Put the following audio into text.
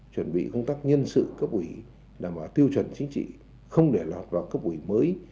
chuẩn bị công tác nhân sự cấp ủy đảm bảo tiêu chuẩn chính trị không để lọt vào cấp ủy mới